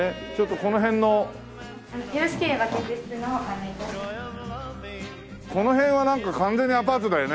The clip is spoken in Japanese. この辺はなんか完全にアパートだよね。